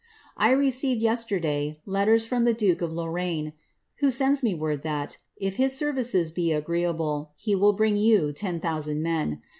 I received yesterday letters from the duke of Lorraine, who sends me that, if his services be agreeable, he will bring you 10,000 men.